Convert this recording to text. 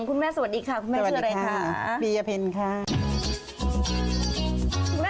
คุณแม่สวัสดีค่ะคุณแม่ชื่ออะไรค่ะสวัสดีค่ะบียะเพ็ญค่ะสวัสดีค่ะ